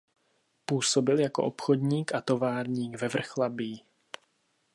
Působil jako obchodník a továrník ve Vrchlabí.